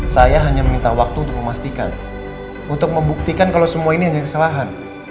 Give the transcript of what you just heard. saya hanya meminta waktu untuk memastikan untuk membuktikan kalau semua ini hanya kesalahan